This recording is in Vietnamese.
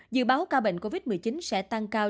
dự báo ca bệnh covid một mươi chín sẽ tăng cao